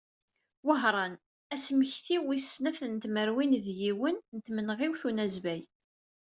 Wehran, asmekti wis snat n tmerwin d yiwen n tmenɣiwt n unazbay.